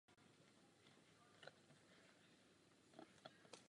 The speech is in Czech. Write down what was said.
Rekonstrukce proběhla pod dohledem památkového ústavu.